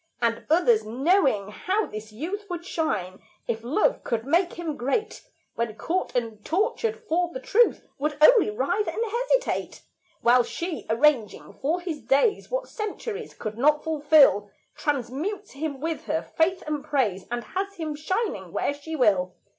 And others, knowing how this youth Would shine, if love could make him great, When caught and tortured for the truth Would only writhe and hesitate; While she, arranging for his days What centuries could not fulfill, Transmutes him with her faith and praise, And has him shining where she will.